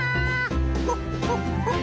ホッホッホッ。